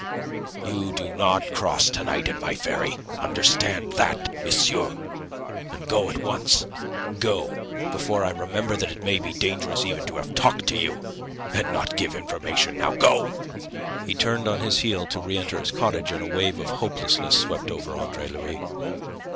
You do not cross to night in my ferry. Understand that, monsieur, and go at once go before I remember that it may be dangerous even to have talked to you and not give information. Go!" He turned on his heel to reenter his cottage, and a wave of hopelessness swept over Andre Louis.